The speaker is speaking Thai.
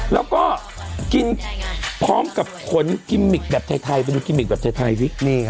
แล้วก็กินพร้อมกับผลกิมมิกแบบไทยไทยไปดูกิมมิกแบบไทยไทยนี่ครับ